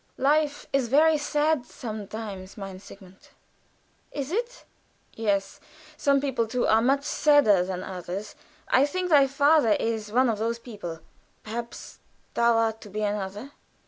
"Life is very sad sometimes, mein Sigmund." "Is it?" "Yes. Some people, too, are much sadder than others. I think thy father is one of those people. Perhaps thou art to be another."